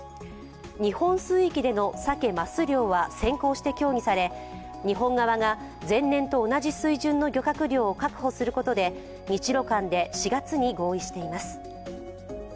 日本水域でのサケ・マス漁は先行して協議され、日本側が前年と同じ水準の漁獲量を確保することで日ロ間で４月に合意しています。